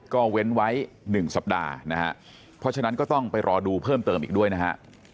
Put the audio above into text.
ก็เว้นไว้๑สัปดาห์นะฮะเพราะฉะนั้นก็ต้องไปรอดูเพิ่มเติมอีกด้วยนะฮะ